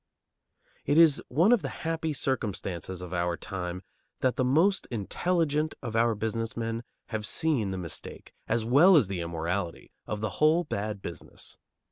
It is one of the happy circumstances of our time that the most intelligent of our business men have seen the mistake as well as the immorality of the whole bad business.